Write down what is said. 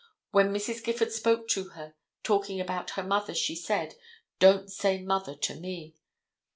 When Mrs. Gifford spoke to her, talking about her mother, she said, "Don't say mother to me."